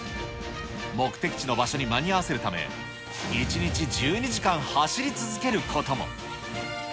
目的地の場所に間に合わせるため、１日１２時間走り続けることも。